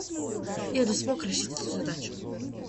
Я не смог решить эту задачу.